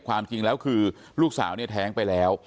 ความจริงแล้วคือลูกสาวเนี่ยแท้งไปแล้ว